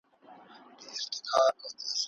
پوهان به د ستونزو حل لارې پیدا کوي.